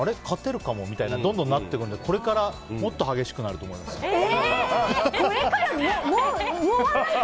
勝てるかもみたいなどんどんなってくるのでこれからもっと激しくなると思いますよ。